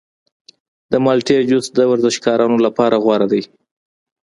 د مالټې جوس د ورزشکارانو لپاره غوره دی.